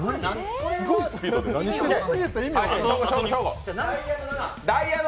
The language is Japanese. すごいスピードで何してんの？